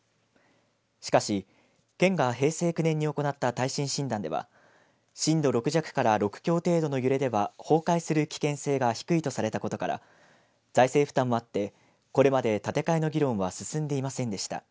しかし、県が平成９年に行った耐震診断では震度６弱から６強程度の揺れでは崩壊する危険性が低いとされたことから財政負担もあってこれまで建て替えの議論は進んでいませんでした。